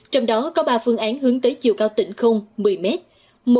trong đó có ba phương án hướng tới chiều cao tỉnh không một mươi mét